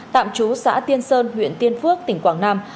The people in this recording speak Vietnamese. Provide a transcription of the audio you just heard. tạm trú xã tiên sơn huyện tiên phước tỉnh quảng nam